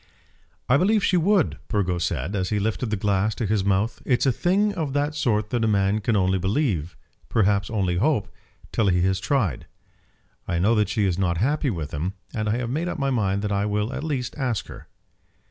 "I believe she would," Burgo said, as he lifted the glass to his mouth. "It's a thing of that sort that a man can only believe, perhaps only hope, till he has tried. I know that she is not happy with him, and I have made up my mind that I will at least ask her."